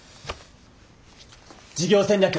事業戦略